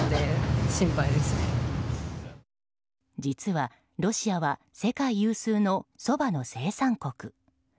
実はロシアは世界有数のそばの生産国。